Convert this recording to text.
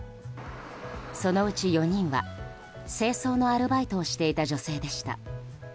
そのうち４人は清掃のアルバイトをしていた女性でした。